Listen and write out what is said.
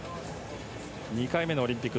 ２回目のオリンピック。